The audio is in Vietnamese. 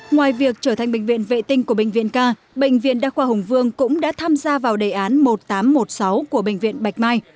ngoài việc trở thành bệnh viện vệ tinh của bệnh viện ca bệnh viện đa khoa hùng vương cũng đã tham gia vào đề án một nghìn tám trăm một mươi sáu của bệnh viện bạch mai